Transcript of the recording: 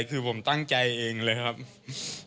คือผมตั้งใจเองเลยครับอันเนี่ย